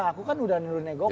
aku kan udah nurunin ego aku